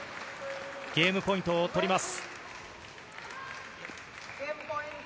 ゲームポイントを取ります。